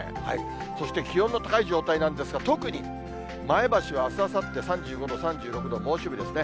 そして気温の高い状態なんですが、特に前橋はあす、あさって３５度、３６度、猛暑日ですね。